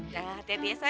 jangan hati hati ya sen